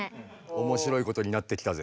おもしろいことになってきたぜ。